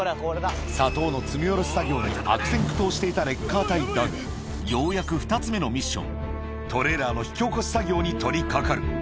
砂糖の積み下ろし作業に悪戦苦闘していたレッカー隊だが、ようやく２つ目のミッション、トレーラーの引き起こし作業に取りかかる。